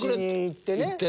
行ってね。